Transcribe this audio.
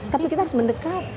tapi kita harus mendekat